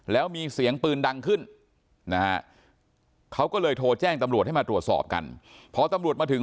แล้วมีเสียงปืนดังขึ้นนะฮะเขาก็เลยโทรแจ้งตำรวจให้มาตรวจสอบกัน